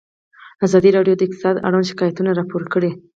ازادي راډیو د اقتصاد اړوند شکایتونه راپور کړي.